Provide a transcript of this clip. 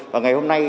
và ngày hôm nay